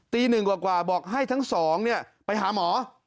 ตีหนึ่งกว่ากว่าบอกให้ทั้งสองเนี่ยไปหาหมอ